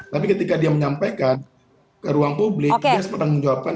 tapi ketika dia menyampaikan ke ruang publik dia harus bertanggung jawabkan